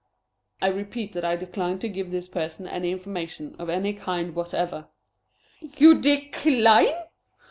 "I repeat that I decline to give this person any information of any kind whatever." "You decline?"